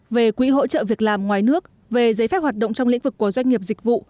về quỹ hỗ trợ việc làm ngoài nước về giấy phép hoạt động trong lĩnh vực của doanh nghiệp dịch vụ